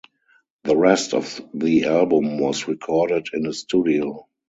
The rest of the album was recorded in a studio.